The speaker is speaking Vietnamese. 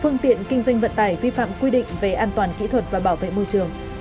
phương tiện kinh doanh vận tải vi phạm quy định về an toàn kỹ thuật và bảo vệ môi trường